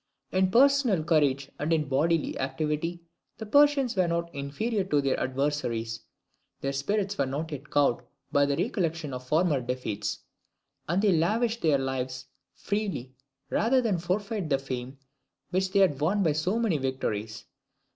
In personal courage and in bodily activity the Persians were not inferior to their adversaries. Their spirits were not yet cowed by the recollection of former defeats; and they lavished their lives freely, rather than forfeit the fame which they had won by so many victories.